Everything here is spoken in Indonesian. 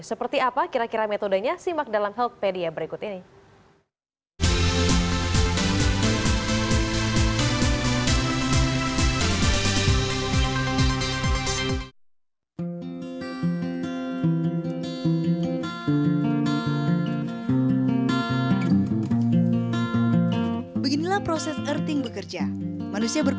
seperti apa kira kira metodenya simak dalam healthpedia berikut ini